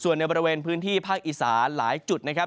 ส่วนในบริเวณพื้นที่ภาคอีสานหลายจุดนะครับ